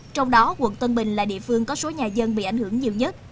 trong đó quận tân bình là địa phương có số nhà dân bị ảnh hưởng nhiều nhất